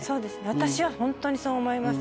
私はホントにそう思います。